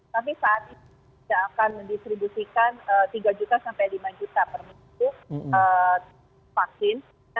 tapi saat ini kita akan mendistribusikan tiga juta sampai lima juta per minggu vaksin